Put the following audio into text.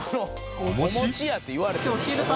おもちやって言われても。